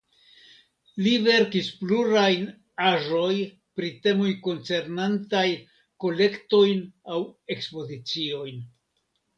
Li verkis plurajn aĵoj pri temoj koncernantaj kolektojn aŭ ekspoziciojn.